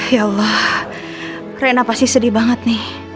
ya allah rena pasti sedih banget nih